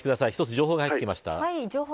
情報が入ってきました。